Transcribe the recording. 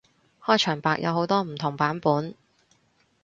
開場白有好多唔同版本